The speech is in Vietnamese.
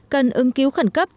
cần ứng cứu khẩn cấp